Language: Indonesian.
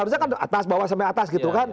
harusnya kan atas bawah sampai atas gitu kan